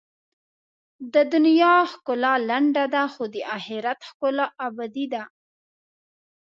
د دنیا ښکلا لنډه ده، خو د آخرت ښکلا ابدي ده.